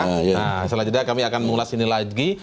nah setelah jeda kami akan mulai sini lagi